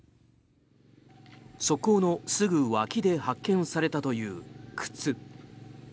側溝のすぐ脇で発見されたという靴。